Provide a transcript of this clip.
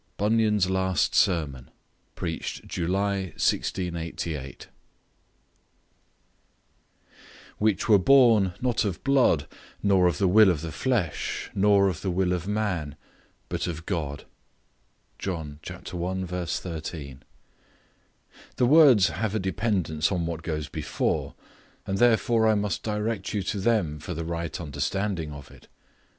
BUNYAN'S LAST SERMON: PREACHED JULY 1688. "Which were born, not of blood, nor of the will of the flesh, nor of the will of man, but of God;" John i. 13. THE words have a dependence on what goes before, and therefore I must direct you to them for the right understanding of it.